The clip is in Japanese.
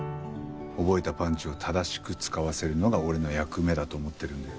覚えたパンチを正しく使わせるのが俺の役目だと思ってるんで。